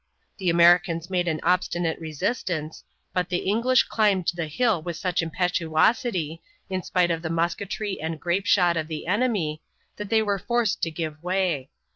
The Americans made an obstinate resistance, but the English climbed the hill with such impetuosity, in spite of the musketry and grape shot of the enemy, that they were forced to give way.